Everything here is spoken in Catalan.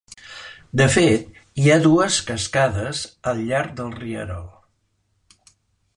De fet hi ha dues cascades al llarg del rierol.